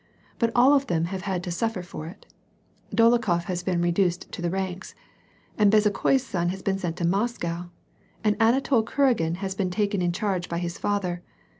But all of them have had to suffer for it. Dolokhof has been reduced to the ranks, and Be zukhoi's son has been sent to Moscow, and Anatol Kuragin has been taken in charge by his father.